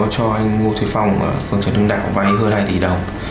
cho anh ngô thuỷ phong ở phường trần đông đạo vai hơn hai tỷ đồng